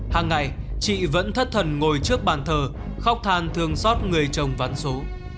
hàng ngày chị vẫn thất thần ngồi trước bàn thờ khóc than thường xót người chồng ván số